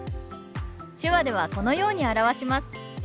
手話ではこのように表します。